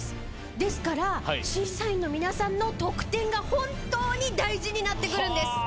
ですから審査員の皆さんの得点が本当に大事になってくるんです。